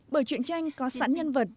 bởi truyền tranh có sẵn nhân vật